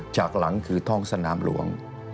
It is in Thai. จากหลังคือท้องสนามหลวง